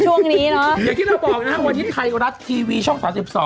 อย่างที่เราบอกนะวันนี้ไทยรัฐทีวีช่อง๓๒